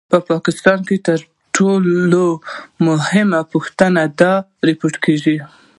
په پاکستان کې تر ټولو مهمه پوښتنه دا راپورته کېږي.